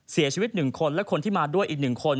เสียชีวิต๑คนและคนที่มาด้วยอีก๑คน